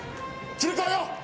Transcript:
切り替えよう！